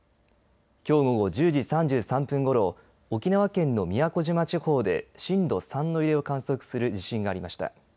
きょう午後１０時３３分ごろ沖縄県の宮古島地方で震度３の揺れを観測する地震がありました。